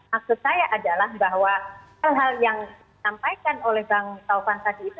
maksud saya adalah bahwa hal hal yang disampaikan oleh bang taufan tadi itu